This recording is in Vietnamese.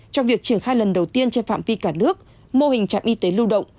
trong việc triển khai lần đầu tiên trên phạm vi cả nước mô hình trạm y tế lưu động